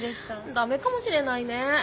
ダメかもしれないね。